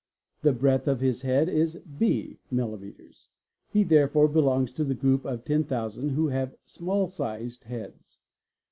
The breadth of his head is } mms; he therefore belongs to the group of 10,000 who have small sized — heads.